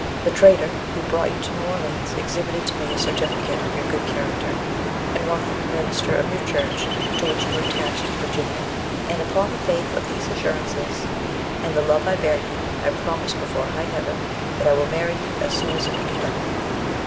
The trader who brought you to New Orleans exhibited to me a certificate of your good character, and one from the minister of the church to which you were attached in Virginia; and upon the faith of these assurances, and the love I bear you, I promise before high heaven that I will marry you as soon as it can be done.'